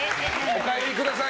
お帰りください